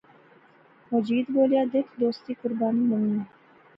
مجید بولیا، دیکھ دوستی قربانی منگنی